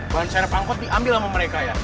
banserap angkot diambil sama mereka ya